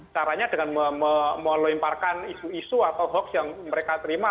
caranya dengan melemparkan isu isu atau hoax yang mereka terima